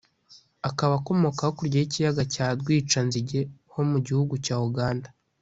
akaba akomoka hakurya y’ikiyaga cya Rwicanzige ho mu gihugu cya Uganda